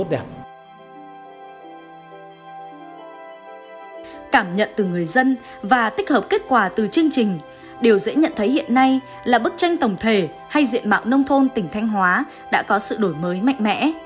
điều dễ nhận thấy hiện nay là bức tranh tổng thể hay diện mạo nông thôn tỉnh thanh hóa đã có sự đổi mới mạnh mẽ